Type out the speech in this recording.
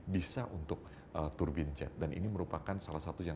bisa untuk turbin jet dan ini merupakan salah satu yang